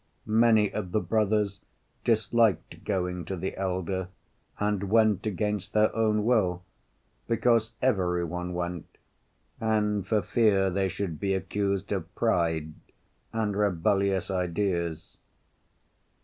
Many of the brothers disliked going to the elder, and went against their own will because every one went, and for fear they should be accused of pride and rebellious ideas.